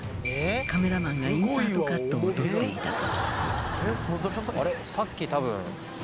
「カメラマンがインサートカットを撮っていた時」